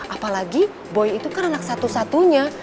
apalagi boy itu kan anak satu satunya